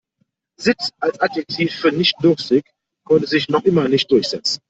Sitt als Adjektiv für nicht-durstig konnte sich noch immer nicht durchsetzen.